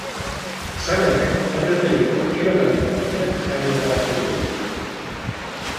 Saben reconocer el peligro y localizar lo necesario para sobrevivir.